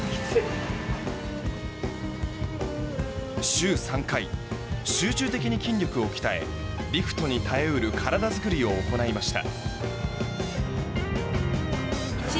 週３回、集中的に筋肉を鍛えリフトに耐え得る体作りを行いました。